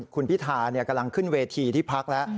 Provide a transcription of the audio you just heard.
คุณพิธากำลังขึ้นเวทีที่พักแล้ว